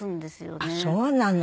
あっそうなの。